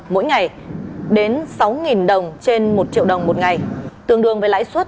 mỗi ngày đến sáu đồng trên một triệu đồng một ngày tương đương với lãi suất